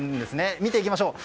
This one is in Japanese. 見ていきましょう。